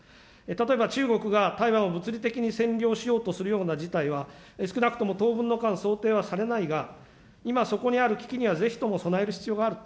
例えば中国が台湾を物理的に占領しようとするような事態は、少なくとも当分の間、想定はされないが、今そこにある危機にはぜひとも備える必要がある。